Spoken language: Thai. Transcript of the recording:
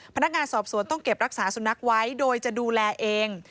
พนักงานสอบสวนต้องเก็บรักษาสุนัขไว้โดยจะดูแลเอง